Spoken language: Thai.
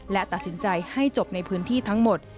และตัดสินใจให้จบในพื้นที่ทั้งหมด